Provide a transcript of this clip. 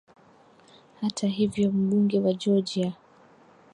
Hata hivyo mbunge wa Georgia